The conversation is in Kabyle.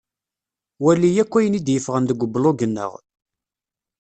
Wali akk ayen i d-yeffɣen deg ublug-nneɣ.